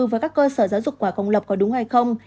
với các cơ sở giáo dục quả công lập có đúng hay không